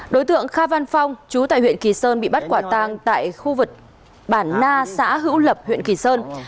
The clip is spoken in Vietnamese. đối tượng kha văn phong chú tại huyện kỳ sơn bị bắt quả tang tại khu vực bản na xã hữu lập huyện kỳ sơn